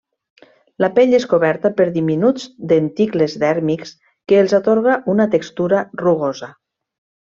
La pell és coberta per diminuts denticles dèrmics que els atorga una textura rugosa.